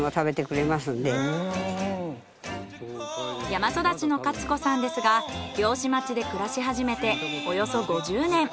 山育ちの勝子さんですが漁師町で暮らし始めておよそ５０年。